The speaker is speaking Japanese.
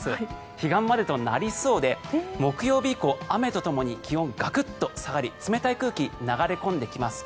彼岸までとなりそうで木曜日以降雨とともに気温、ガクッと下がり冷たい空気、流れ込んできます。